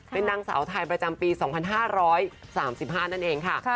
เป็นนางสาวไทยประจำปี๒๕๓๕นั่นเองค่ะ